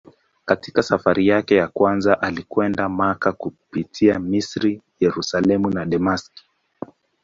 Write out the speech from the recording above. Katika safari yake ya kwanza alikwenda Makka kupitia Misri, Yerusalemu na Dameski.